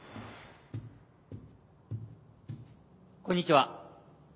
こんにちは。